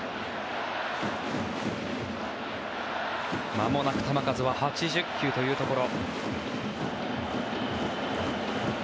まもなく球数は８０球というところ。